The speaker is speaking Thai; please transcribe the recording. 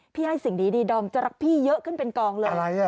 ให้สิ่งดีดอมจะรักพี่เยอะขึ้นเป็นกองเลย